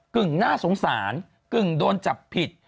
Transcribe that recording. เป็นปาหารกึ่งโดนจับผิด